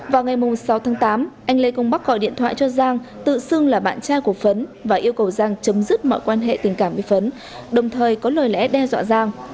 vào ngày sáu tháng tám anh lê công bắc gọi điện thoại cho giang tự xưng là bạn trai của phấn và yêu cầu giang chấm dứt mọi quan hệ tình cảm với phấn đồng thời có lời lẽ đe dọa giang